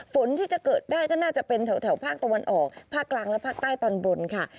ฝนที่จะเกิดได้ก็น่าจะเป็นแถวภาคตะวันออกภาคกลางและภาคใต้ตอนบนค่ะ